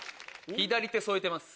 左手添えてます。